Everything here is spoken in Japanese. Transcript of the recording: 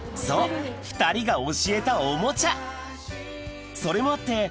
そう２人が教えたおもちゃそれもあって